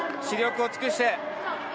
死力を尽くして。